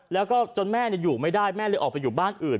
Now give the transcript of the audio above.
แล้วก็จนแม่อยู่ไม่ได้แม่เลยออกไปอยู่บ้านอื่น